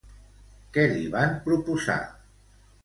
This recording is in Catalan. Què li van proposar?